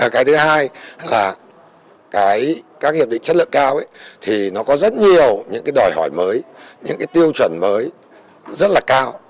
cái thứ hai là các hiệp định chất lượng cao thì nó có rất nhiều những cái đòi hỏi mới những cái tiêu chuẩn mới rất là cao